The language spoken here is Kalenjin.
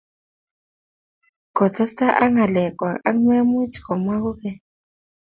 kotestai ak ngalek kwak ak memuchi komwak kogeny